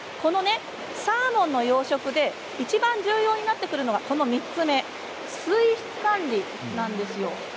サーモンの養殖でいちばん重要になってくるのが３つ目の水質管理なんです。